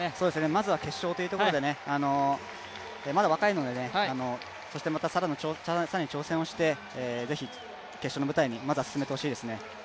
まずは決勝というところでまだ若いのでそして、更に挑戦をして、ぜひ決勝の舞台にまずは進めてほしいですね。